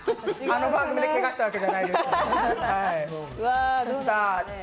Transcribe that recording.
あの番組でけがしたわけではないです。